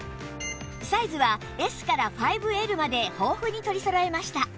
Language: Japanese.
サイズは Ｓ から ５Ｌ まで豊富に取りそろえました